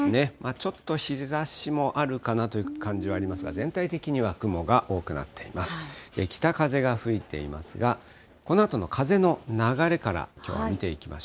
ちょっと日ざしもあるかなという感じはありますが、全体的には雲が多くなっています。